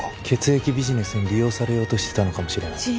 血液ビジネスに利用されようとしてたのかもしれない。